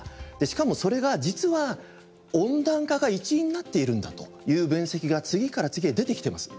しかもそれが実は温暖化が一因になっているんだという分析が次から次へ出てきてます。